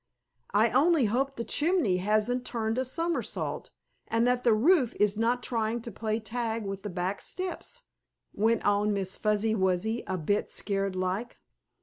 "I only hope the chimney hasn't turned a somersault, and that the roof is not trying to play tag with the back steps," went on Miss Fuzzy Wuzzy, a bit scared like.